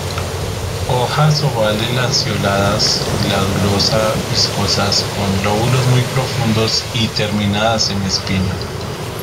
Hojas ovales lanceoladas, glandulosa-viscosas, con lóbulos muy profundos, y terminadas en espina.